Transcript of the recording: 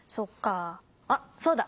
あっそうだ。